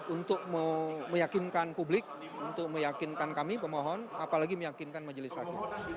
untuk meyakinkan publik untuk meyakinkan kami pemohon apalagi meyakinkan majelis hakim